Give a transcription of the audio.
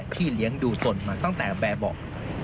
เลี้ยงดูตนมาตั้งแต่แบบบอก